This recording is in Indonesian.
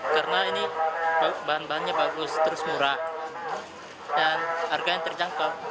karena ini bahan bahannya bagus terus murah dan harga yang terjangkau